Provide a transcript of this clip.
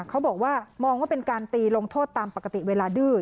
เขาบอกว่ามองว่าเป็นการตีลงโทษตามปกติเวลาดื้อ